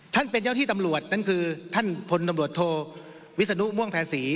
ท่านเป็นเจ้าที่ตำรวจนั่นคือท่านพลตำรวจโทวิศนุม่วงแพรศรี